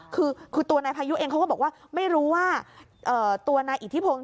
คือตัวนายพายุเองเขาก็บอกว่าไม่รู้ว่าตัวนายอิทธิพงศ